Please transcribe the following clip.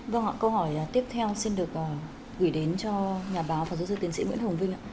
vâng ạ câu hỏi tiếp theo xin được gửi đến cho nhà báo và giáo sư tiến sĩ nguyễn hồng vinh ạ